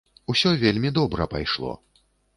Усё вельмі добра пайшло.